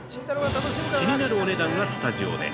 気になるお値段はスタジオで。